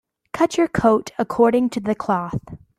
Cut your coat according to the cloth.